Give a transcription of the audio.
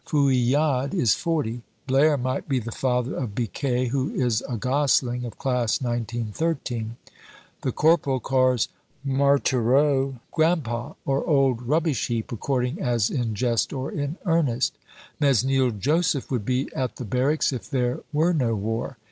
Fouillade is forty; Blaire might be the father of Biquet, who is a gosling of Class 1913. The corporal calls Marthereau "Grandpa" or "Old Rubbish heap," according as in jest or in earnest. Mesnil Joseph would be at the barracks if there were no war.